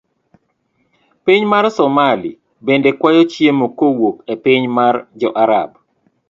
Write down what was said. Piny mar somali bende kwayo chiemo kowuok epiny mar jo Arab.